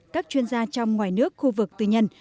các chuyên gia trong ngoài nước khu vực tư nhân